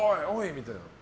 みたいな。